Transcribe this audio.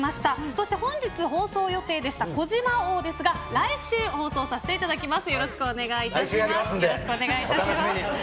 そして本日放送予定でした児嶋王ですが来週、放送させていただきます。